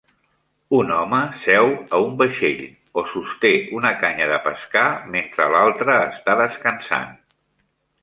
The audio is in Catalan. Un home seu a un vaixell o sosté una canya de pescar mentre l"altre està descansant.